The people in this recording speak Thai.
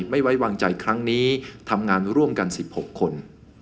ไม่ไว้วางใจครั้งนี้ทำงานร่วมกัน๑๖คน